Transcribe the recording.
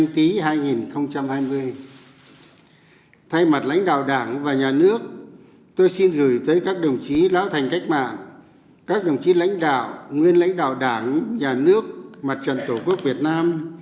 thay mặt lãnh đạo đảng và nhà nước tôi xin gửi tới các đồng chí lão thành cách mạng các đồng chí lãnh đạo nguyên lãnh đạo đảng nhà nước mặt trận tổ quốc việt nam